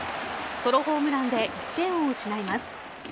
ソロホームランで１点を失います。